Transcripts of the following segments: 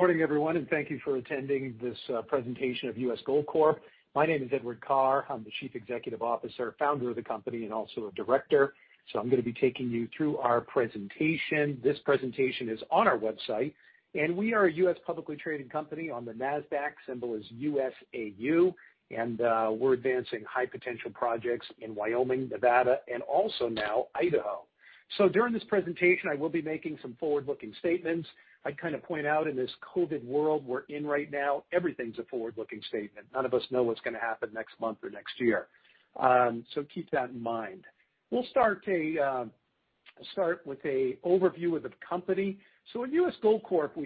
Morning, everyone, and thank you for attending this presentation of U.S. Gold Corp. My name is Edward Karr. I'm the Chief Executive Officer, founder of the company, and also a director. I'm going to be taking you through our presentation. This presentation is on our website, and we are a U.S. publicly traded company on the Nasdaq. Symbol is USAU, and we're advancing high potential projects in Wyoming, Nevada, and also now Idaho. During this presentation, I will be making some forward-looking statements. I'd kind of point out in this COVID world we're in right now, everything's a forward-looking statement. None of us know what's going to happen next month or next year. Keep that in mind. We'll start with a overview of the company. At U.S. Gold Corp.,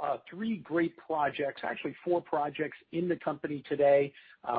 we have three great projects, actually four projects in the company today.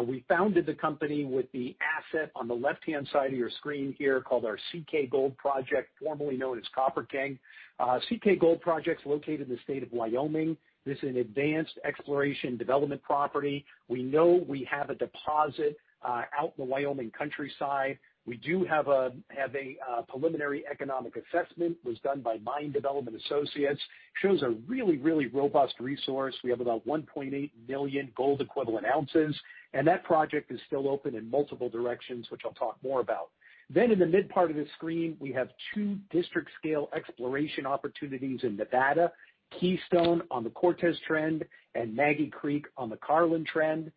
We founded the company with the asset on the left-hand side of your screen here, called our CK Gold project, formerly known as Copper King. CK Gold project's located in the state of Wyoming. This is an advanced exploration development property. We know we have a deposit out in the Wyoming countryside. We do have a, have a preliminary economic assessment. It was done by Mine Development Associates. Shows a really, really robust resource. We have about 1.8 million gold equivalent ounces, and that project is still open in multiple directions, which I'll talk more about. In the mid part of the screen, we have two district-scale exploration opportunities in Nevada, Keystone on the Cortez Trend and Maggie Creek on the Carlin Trend.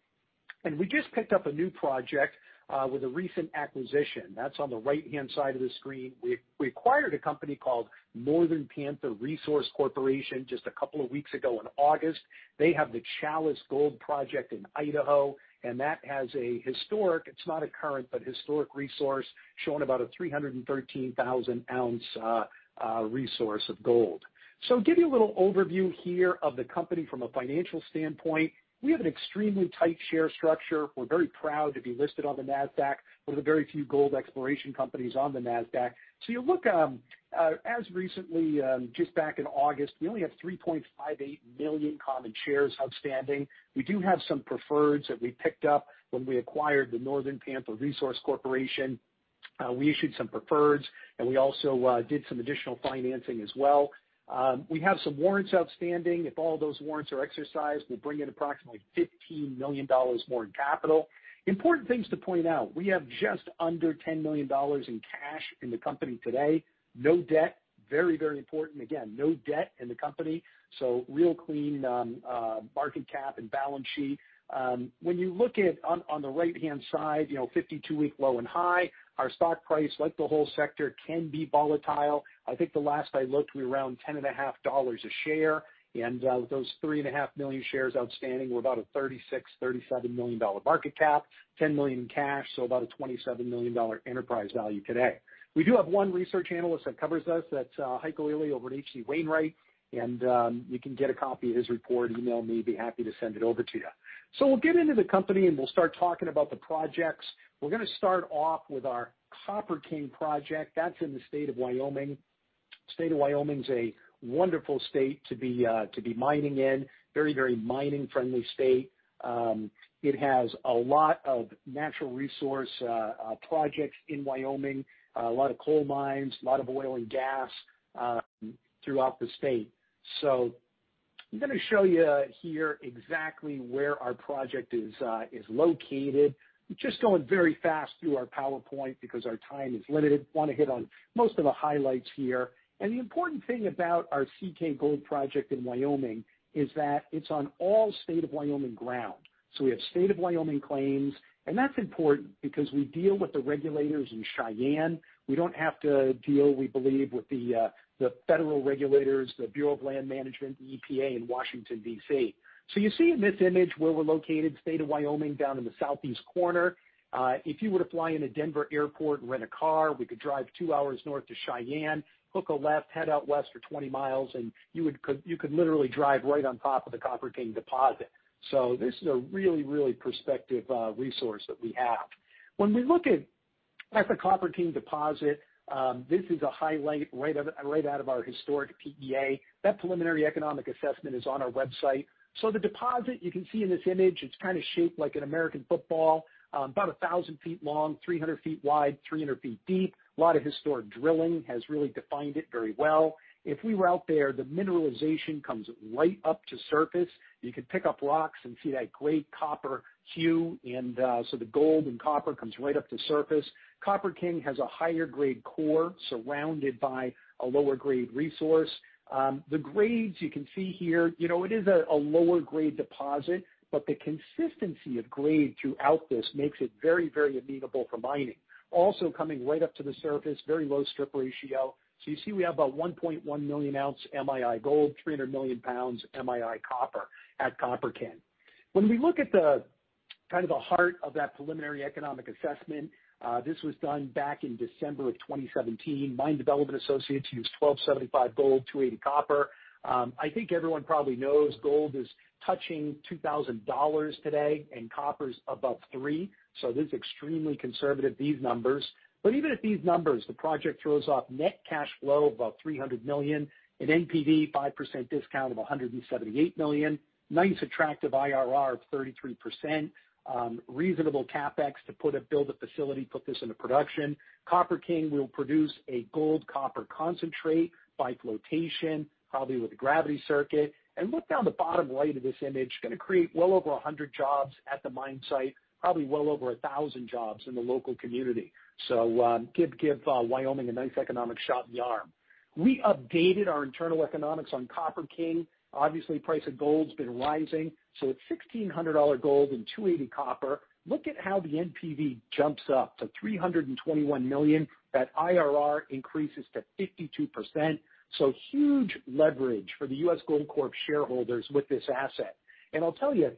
We just picked up a new project with a recent acquisition. That's on the right-hand side of the screen. We, we acquired a company called Northern Panther Resource Corporation just a couple of weeks ago in August. They have the Challis Gold project in Idaho, and that has a historic, it's not a current, but historic resource, showing about a 313,000 ounce resource of gold. Give you a little overview here of the company from a financial standpoint. We have an extremely tight share structure. We're very proud to be listed on the Nasdaq. We're one of the very few gold exploration companies on the Nasdaq. You look, as recently, just back in August, we only have 3.58 million common shares outstanding. We do have some preferreds that we picked up when we acquired the Northern Panther Resource Corporation. We issued some preferreds, and we also did some additional financing as well. We have some warrants outstanding. If all those warrants are exercised, we'll bring in approximately $15 million more in capital. Important things to point out, we have just under $10 million in cash in the company today. No debt. Very important. Again, no debt in the company, so real clean, market cap and balance sheet. When you look at on the right-hand side, you know, 52-week low and high, our stock price, like the whole sector, can be volatile. I think the last I looked, we were around $10.50 a share, and with those 3.5 million shares outstanding, we're about a $36 million-$37 million market cap, $10 million in cash, so about a $27 million enterprise value today. We do have one research analyst that covers us. That's Heiko Ihle over at H.C. Wainwright, and you can get a copy of his report. Email me, I'd be happy to send it over to you. We'll get into the company, and we'll start talking about the projects. We're going to start off with our Copper King project. That's in the state of Wyoming. State of Wyoming's a wonderful state to be to be mining in. Very mining-friendly state. It has a lot of natural resource projects in Wyoming, a lot of coal mines, a lot of oil and gas throughout the state. I'm going to show you here exactly where our project is located. Just going very fast through our PowerPoint because our time is limited. Want to hit on most of the highlights here. The important thing about our CK Gold project in Wyoming is that it's on all state of Wyoming ground. We have state of Wyoming claims, and that's important because we deal with the regulators in Cheyenne. We don't have to deal, we believe, with the federal regulators, the Bureau of Land Management, the EPA in Washington, D.C. You see in this image where we're located, state of Wyoming, down in the southeast corner. If you were to fly into Denver Airport and rent a car, we could drive two hours north to Cheyenne, hook a left, head out west for 20 mi, and you could literally drive right on top of the Copper King deposit. This is a really, really prospective resource that we have. When we look at the Copper King deposit, this is a highlight, right out of our historic PEA. That preliminary economic assessment is on our website. The deposit, you can see in this image, it's kind of shaped like an American football, about 1,000 ft long, 300 ft wide, 300 ft deep. A lot of historic drilling has really defined it very well. If we were out there, the mineralization comes right up to surface. You could pick up rocks and see that great copper hue, and the gold and copper comes right up to surface. Copper King has a higher grade core surrounded by a lower grade resource. The grades you can see here, you know, it is a, a lower grade deposit, the consistency of grade throughout this makes it very, very amenable for mining. Also, coming right up to the surface, very low strip ratio. You see we have about 1.1 million ounces M&I gold, 300 million pounds M&I copper at Copper King. When we look at kind of the heart of that preliminary economic assessment. This was done back in December of 2017. Mine Development Associates used $1,275 gold, $2.80 copper. I think everyone probably knows gold is touching $2,000 today, and copper's above $3. This is extremely conservative, these numbers. Even at these numbers, the project throws off net cash flow of about $300 million, an NPV, 5% discount of $178 million. Nice attractive IRR of 33%, reasonable CapEx to put a, build a facility, put this into production. Copper King will produce a gold copper concentrate by flotation, probably with a gravity circuit. Look down the bottom right of this image, going to create well over 100 jobs at the mine site, probably well over 1,000 jobs in the local community. Give, give Wyoming a nice economic shot in the arm. We updated our internal economics on Copper King. Obviously, price of gold's been rising, it's $1,600 gold and $2.80 copper. Look at how the NPV jumps up to $321 million. That IRR increases to 52%. Huge leverage for the U.S. Gold Corp. shareholders with this asset. I'll tell you,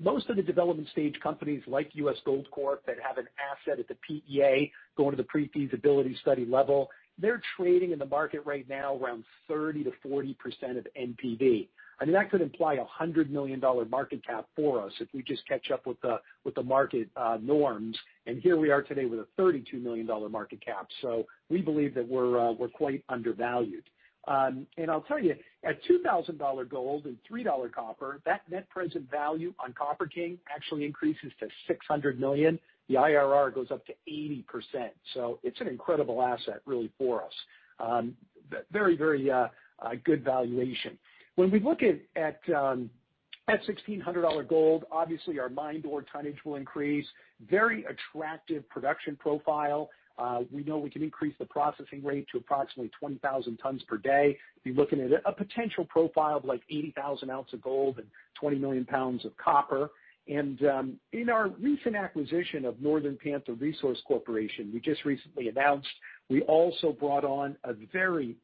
most of the development stage companies like U.S. Gold Corp., that have an asset at the PEA going to the pre-feasibility study level, they're trading in the market right now around 30%-40% of NPV. I mean, that could imply a $100 million market cap for us if we just catch up with the market, norms. Here we are today with a $32 million market cap. We believe that we're quite undervalued. And I'll tell you, at $2,000 gold and $3 copper, that net present value on Copper King actually increases to $600 million. The IRR goes up to 80%. It's an incredible asset really for us. Very, good valuation. When we look at, at $1,600 gold, obviously our mine door tonnage will increase. Very attractive production profile. We know we can increase the processing rate to approximately 20,000 tons per day. Be looking at a potential profile of like 80,000 ounce of gold and 20 million pounds of copper. In our recent acquisition of Northern Panther Resource Corporation, we just recently announced we also brought on a very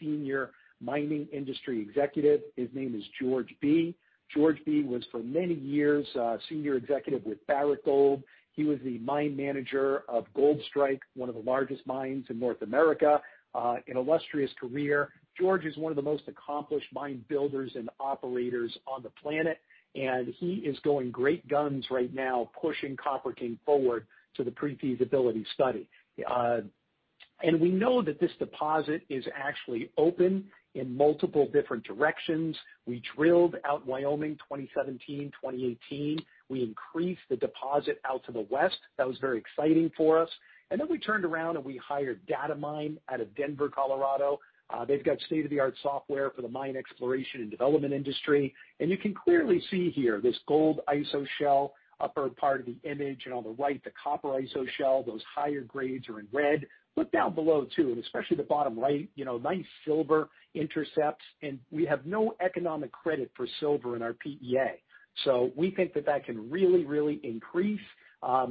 senior mining industry executive. His name is George Bee. George Bee was for many years a senior executive with Barrick Gold. He was the mine manager of Goldstrike, one of the largest mines in North America. An illustrious career. George is one of the most accomplished mine builders and operators on the planet. He is going great guns right now, pushing Copper King forward to the pre-feasibility study. We know that this deposit is actually open in multiple different directions. We drilled out Wyoming 2017, 2018. We increased the deposit out to the west. That was very exciting for us. Then we turned around, and we hired Datamine out of Denver, Colorado. They've got state-of-the-art software for the mine exploration and development industry. You can clearly see here this gold iso-shell, upper part of the image, and on the right, the copper iso-shell. Those higher grades are in red. Look down below, too, especially the bottom right, you know, nice silver intercepts, and we have no economic credit for silver in our PEA. We think that that can really, really increase.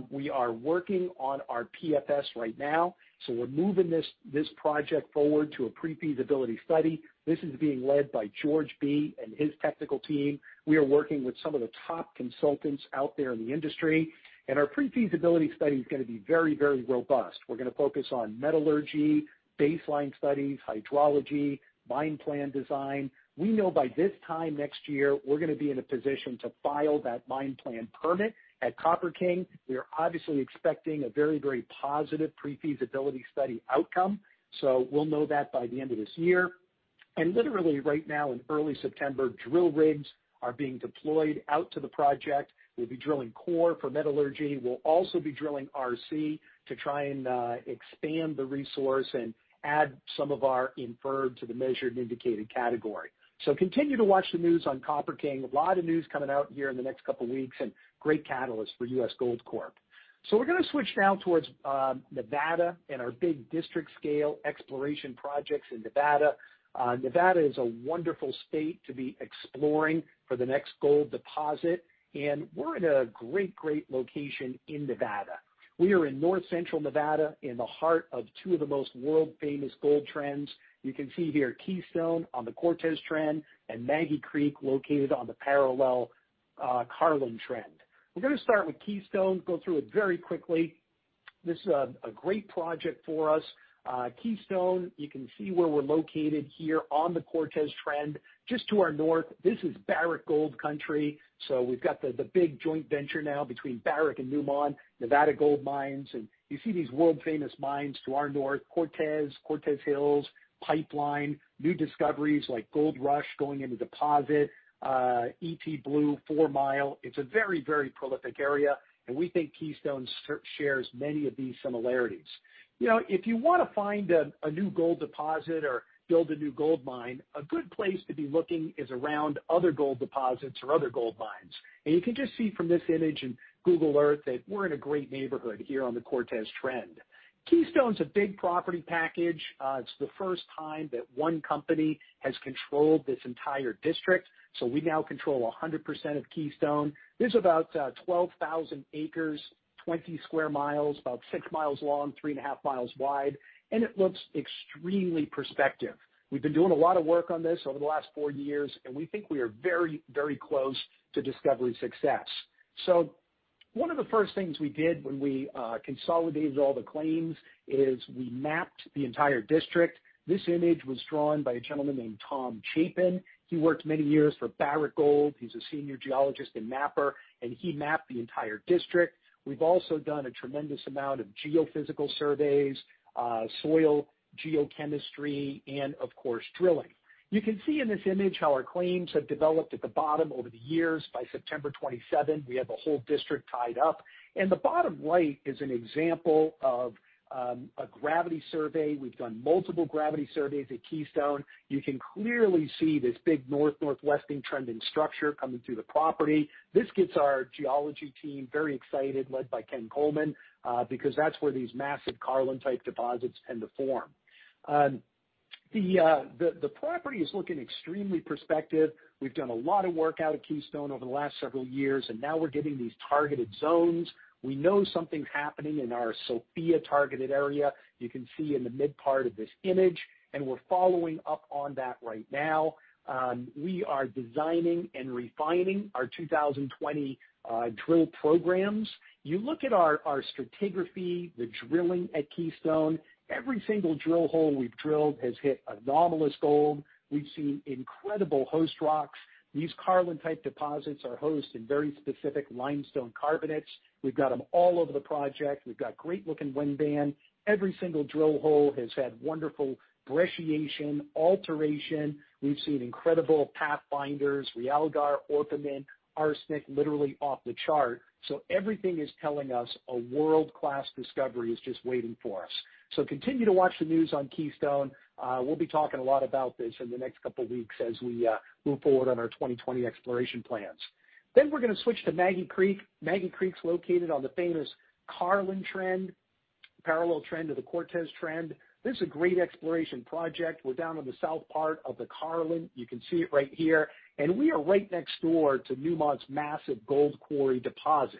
We are working on our PFS right now, so we're moving this project forward to a pre-feasibility study. This is being led by George Bee and his technical team. We are working with some of the top consultants out there in the industry, our pre-feasibility study is going to be very, very robust. We're going to focus on metallurgy, baseline studies, hydrology, mine plan design. We know by this time next year, we're going to be in a position to file that mine plan permit at Copper King. We are obviously expecting a very positive pre-feasibility study outcome, so we'll know that by the end of this year. Literally right now, in early September, drill rigs are being deployed out to the project. We'll be drilling core for metallurgy. We'll also be drilling RC to try and expand the resource and add some of our inferred to the measured and indicated category. Continue to watch the news on Copper King. A lot of news coming out here in the next couple of weeks and great catalyst for U.S. Gold Corp. We're going to switch now towards Nevada and our big district scale exploration projects in Nevada. Nevada is a wonderful state to be exploring for the next gold deposit, and we're in a great, great location in Nevada. We are in North Central Nevada, in the heart of two of the most world-famous gold trends. You can see here, Keystone on the Cortez Trend and Maggie Creek, located on the parallel, Carlin Trend. We're going to start with Keystone. Go through it very quickly. This is a great project for us. Keystone, you can see where we're located here on the Cortez Trend. Just to our north, this is Barrick Gold country, so we've got the, the big joint venture now between Barrick and Newmont, Nevada Gold Mines. You see these world-famous mines to our north, Cortez, Cortez Hills, Pipeline, new discoveries like Gold Rush going into deposit, Easter Blue, Fourmile. It's a very, very prolific area, and we think Keystone shares many of these similarities. You know, if you want to find a new gold deposit or build a new gold mine, a good place to be looking is around other gold deposits or other gold mines. You can just see from this image in Google Earth that we're in a great neighborhood here on the Cortez Trend. Keystone's a big property package. It's the first time that one company has controlled this entire district, so we now control 100% of Keystone. There's about 12,000 acres, 20 sq mi, about 6 mi long, 3.5 mi wide, and it looks extremely prospective. We've been doing a lot of work on this over the last four years, and we think we are very, very close to discovery success. One of the first things we did when we consolidated all the claims is we mapped the entire district. This image was drawn by a gentleman named Tom Chapin. He worked many years for Barrick Gold. He's a senior geologist and mapper, and he mapped the entire district. We've also done a tremendous amount of geophysical surveys, soil geochemistry, and of course, drilling. You can see in this image how our claims have developed at the bottom over the years. By September 27th, we have the whole district tied up, and the bottom right is an example of a gravity survey. We've done multiple gravity surveys at Keystone. You can clearly see this big north, northwesting trend and structure coming through the property. This gets our geology team very excited, led by Ken Coleman, because that's where these massive Carlin-type deposits tend to form. The property is looking extremely prospective. We've done a lot of work out of Keystone over the last several years, and now we're getting these targeted zones. We know something's happening in our Sophia targeted area. You can see in the mid part of this image, and we're following up on that right now. We are designing and refining our 2020 drill programs. You look at our, our stratigraphy, the drilling at Keystone, every single drill hole we've drilled has hit anomalous gold. We've seen incredible host rocks. These Carlin-type deposits are host in very specific limestone carbonates. We've got them all over the project. We've got great looking Wenban. Every single drill hole has had wonderful brecciation, alteration. We've seen incredible pathfinders, realgar, orpiment, arsenic, literally off the chart. Everything is telling us a world-class discovery is just waiting for us. Continue to watch the news on Keystone. We'll be talking a lot about this in the next couple of weeks as we move forward on our 2020 exploration plans. We're gonna switch to Maggie Creek. Maggie Creek's located on the famous Carlin Trend, parallel trend to the Cortez Trend. This is a great exploration project. We're down on the south part of the Carlin. You can see it right here, and we are right next door to Newmont's massive Gold Quarry deposit.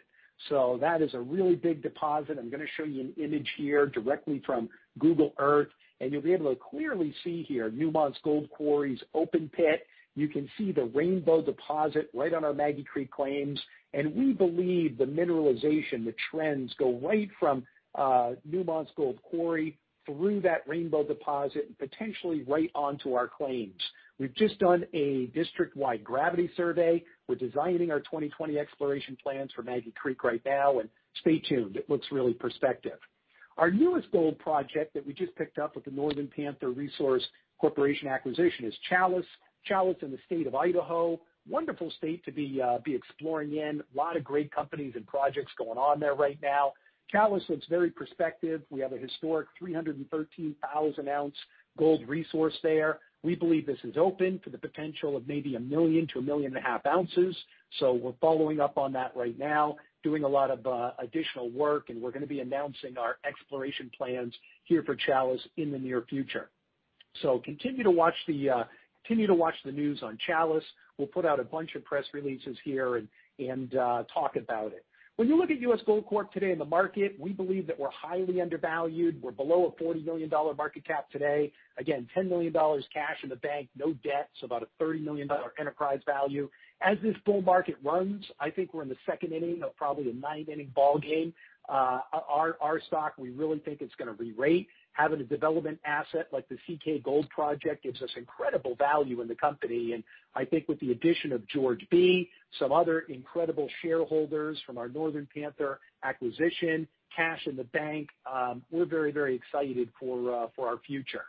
That is a really big deposit. I'm gonna show you an image here directly from Google Earth, and you'll be able to clearly see here Newmont's Gold Quarry's open pit. You can see the Rainbow Deposit right on our Maggie Creek claims, and we believe the mineralization, the trends, go right from Newmont's gold quarry through that Rainbow Deposit, and potentially right onto our claims. We've just done a district-wide gravity survey. We're designing our 2020 exploration plans for Maggie Creek right now, and stay tuned. It looks really prospective. Our newest gold project that we just picked up with the Northern Panther Resource Corporation acquisition is Challis. Challis in the state of Idaho. Wonderful state to be exploring in. A lot of great companies and projects going on there right now. Challis looks very prospective. We have a historic 313,000 ounce gold resource there. We believe this is open to the potential of maybe 1 million ounces to 1.5 million ounces. We're following up on that right now, doing a lot of additional work, and we're gonna be announcing our exploration plans here for Challis in the near future. Continue to watch the continue to watch the news on Challis. We'll put out a bunch of press releases here and, and talk about it. When you look at U.S. Gold Corp. today in the market, we believe that we're highly undervalued. We're below a $40 million market cap today. Again, $10 million cash in the bank, no debt, about a $30 million enterprise value. As this bull market runs, I think we're in the second inning of probably a nine-inning ballgame. Our stock, we really think it's gonna re-rate. Having a development asset like the CK Gold project gives us incredible value in the company, and I think with the addition of George Bee, some other incredible shareholders from our Northern Panther acquisition, cash in the bank, we're very excited for our future.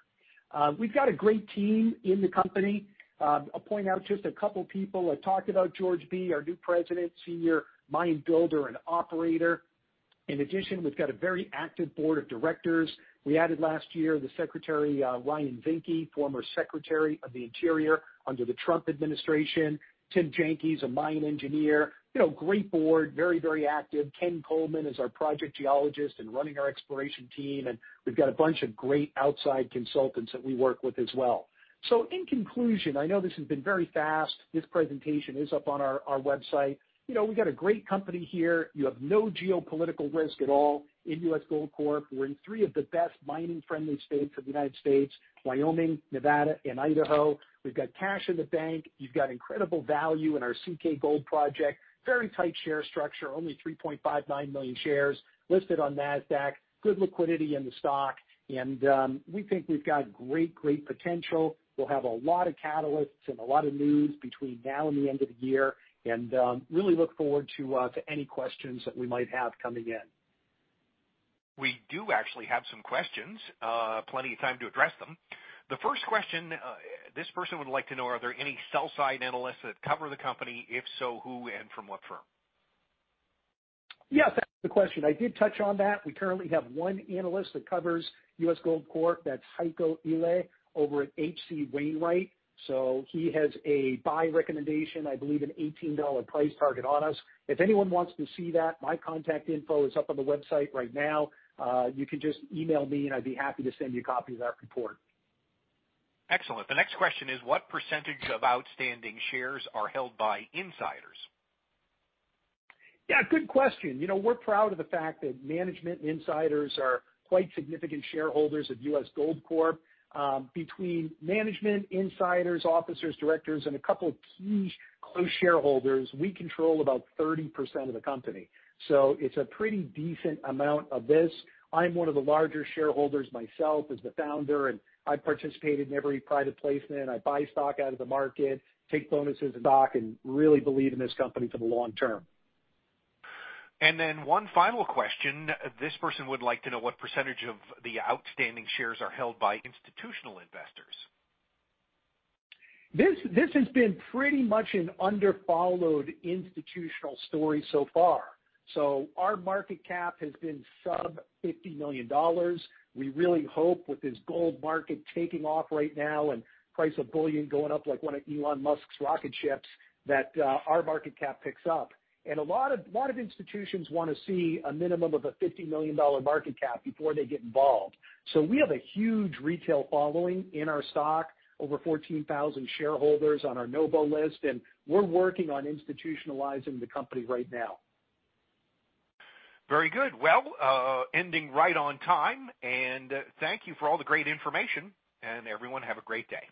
We've got a great team in the company. I'll point out just a couple people. I talked about George Bee, our new President, senior mine builder and operator. In addition, we've got a very active board of directors. We added last year, the Secretary, Ryan Zinke, former Secretary of the Interior under the Trump administration. Tim Janke, a mine engineer. You know, great board, very, very active. Ken Coleman is our project geologist and running our exploration team, and we've got a bunch of great outside consultants that we work with as well. In conclusion, I know this has been very fast. This presentation is up on our website. You know, we've got a great company here. You have no geopolitical risk at all in U.S. Gold Corp. We're in three of the best mining-friendly states of the United States, Wyoming, Nevada, and Idaho. We've got cash in the bank. You've got incredible value in our CK Gold project. Very tight share structure, only 3.59 million shares, listed on Nasdaq, good liquidity in the stock, and we think we've got great potential. We'll have a lot of catalysts and a lot of news between now and the end of the year, really look forward to any questions that we might have coming in. We do actually have some questions, plenty of time to address them. The first question, this person would like to know, are there any sell side analysts that cover the company? If so, who and from what firm? Yes, that's a good question. I did touch on that. We currently have one analyst that covers U.S. Gold Corp. That's Heiko Ihle over at H.C. Wainwright & Co., he has a buy recommendation, I believe, an $18 price target on us. If anyone wants to see that, my contact info is up on the website right now. You can just email me, and I'd be happy to send you a copy of that report. Excellent. The next question is, what percentage of outstanding shares are held by insiders? Yeah, good question. You know, we're proud of the fact that management insiders are quite significant shareholders of U.S. Gold Corp. Between management, insiders, officers, directors, and a couple of key close shareholders, we control about 30% of the company, it's a pretty decent amount of this. I'm one of the larger shareholders myself as the founder, and I've participated in every private placement. I buy stock out of the market, take bonuses and stock, and really believe in this company for the long term. One final question. This person would like to know what percentage of the outstanding shares are held by institutional investors. This, this has been pretty much an underfollowed institutional story so far. Our market cap has been sub $50 million. We really hope with this gold market taking off right now and price of bullion going up like one of Elon Musk's rocket ships, that our market cap picks up. A lot of institutions wanna see a minimum of a $50 million market cap before they get involved. We have a huge retail following in our stock, over 14,000 shareholders on our NOBO list, and we're working on institutionalizing the company right now. Very good. Well, ending right on time, and thank you for all the great information, and everyone, have a great day.